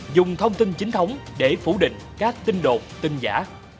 dùng thông tin chính thống để phủ định các tin đột tin giả